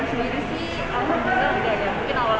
kalau awal lagi tapi sebenarnya itu proses untuk move on ya